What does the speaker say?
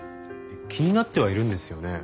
気になってはいるんですよね？